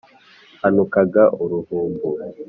Hanukaga uruhumbu .